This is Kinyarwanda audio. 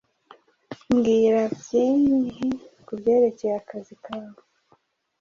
Mbwira byinhi kubyerekeye akazi kawe